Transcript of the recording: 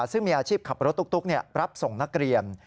ซึ่งมีอาชีพขับรถตุ๊กรับส่งนักเรียน